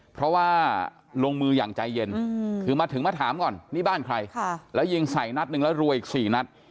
เพราะว่าลงมืออย่างใจเย็นคือมาถึงมาถามก่อนนี่บ้านใครแล้วยิงใส่นัดหนึ่งแล้วรวยอีก๔นัด